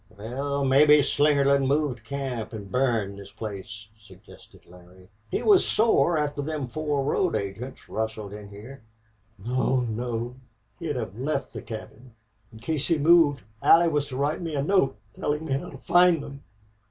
"Wal, mebbe Slingerland moved camp an' burned this place," suggested Larry. "He was sore after them four road agents rustled in heah." "No no. He'd have left the cabin. In case he moved Allie was to write me a note telling me how to find them.